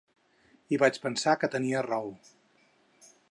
I vaig pensar que tenia raó.